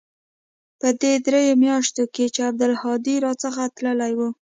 په دې درېو مياشتو کښې چې عبدالهادي را څخه تللى و.